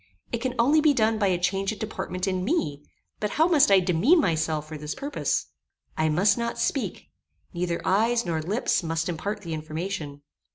It can only be done by a change of deportment in me; but how must I demean myself for this purpose? I must not speak. Neither eyes, nor lips, must impart the information.